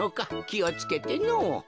きをつけてのぉ。